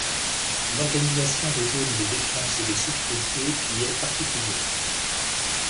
L'organisation des zones de défenses et de sécurité y est particulière.